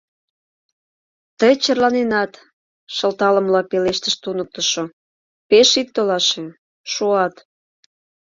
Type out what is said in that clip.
Тый черланенат, — шылталымыла пелештыш туныктышо, — пеш ит толаше, шуат.